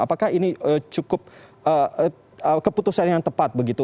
apakah ini cukup keputusan yang tepat begitu